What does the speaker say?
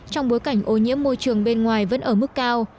trong bối cảnh ô nhiễm môi trường bên ngoài vẫn ở mức cao